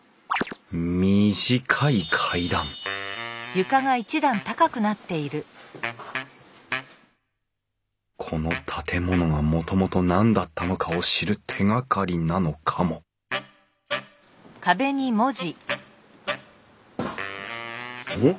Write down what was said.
短い階段この建物がもともと何だったのかを知る手がかりなのかもん？